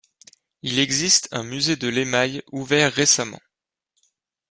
Il existe un musée de l'émail ouvert récemment.